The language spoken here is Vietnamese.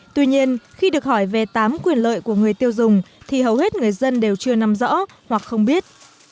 tuy nhiên khi được hỏi về tám quyền lợi của người tiêu dùng thì hầu hết người dân đều chưa nắm rõ hoặc không biết